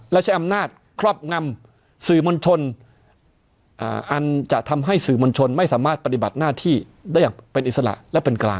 และใช้อำนาจครอบงำสื่อมวลชนอันจะทำให้สื่อมวลชนไม่สามารถปฏิบัติหน้าที่ได้อย่างเป็นอิสระและเป็นกลาง